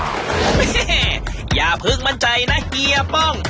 ฮี้เฮห์อย่าพึกมั่นใจนะเฮียป้อง